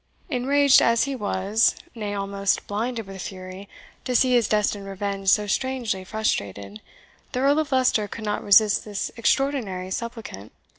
Enraged as he was, nay, almost blinded with fury to see his destined revenge so strangely frustrated, the Earl of Leicester could not resist this extraordinary supplicant.